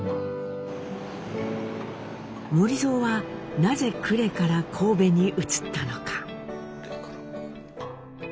守造はなぜ呉から神戸に移ったのか？